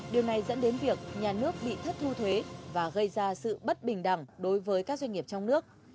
điều này dẫn đến việc nhà nước bị thất thu thuế và gây ra sự bất bình đẳng đối với các doanh nghiệp trong nước